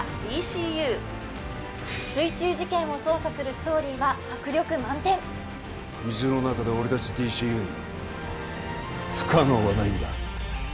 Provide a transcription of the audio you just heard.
水中事件を捜査するストーリーは迫力満点水の中で俺達ＤＣＵに不可能はないんだ